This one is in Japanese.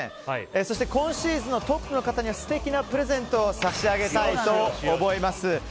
そして今シーズンのトップの方には素敵なプレゼントを差し上げたいと思います。